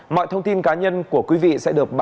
mọi thông tin cá nhân của quý vị sẽ được truy nã